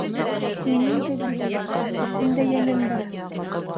Минең дә бит... әсемдә йәнем бар!